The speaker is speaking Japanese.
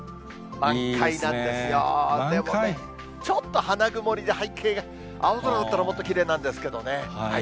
ちょっと花曇りで、背景が青空だったらもっときれいなんですけどね。